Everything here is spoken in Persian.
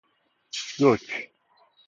دوک